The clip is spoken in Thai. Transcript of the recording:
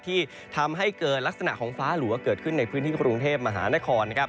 ที่ทำให้เกิดลักษณะของฟ้าหลัวเกิดขึ้นในพื้นที่กรุงเทพมหานคร